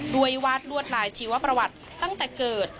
วาดลวดลายชีวประวัติตั้งแต่เกิด